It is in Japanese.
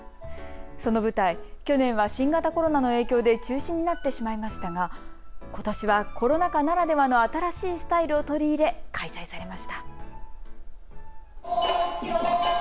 その舞台、去年は新型コロナの影響で中止になってしまいましたがことしはコロナ禍ならではの新しいスタイルを取り入れ開催されました。